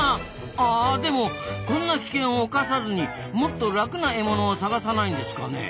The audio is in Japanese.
あでもこんな危険を冒さずにもっと楽な獲物を探さないんですかね？